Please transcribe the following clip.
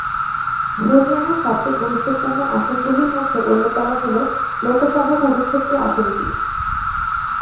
হরিয়ানার সবচেয়ে গুরুত্বপূর্ণ আসনগুলির মধ্যে অন্যতম হল লোকসভা কুরুক্ষেত্র আসনটি।